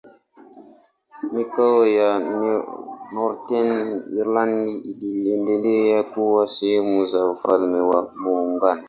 Mikoa ya Northern Ireland iliendelea kuwa sehemu za Ufalme wa Muungano.